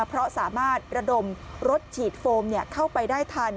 เพราะสามารถระดมรถฉีดโฟมเข้าไปได้ทัน